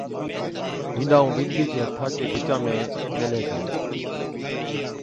بِينڏا ائُون بِينڏڙِي چي ھٿان چي بِچا ۾ ميھيلتِي ڇَي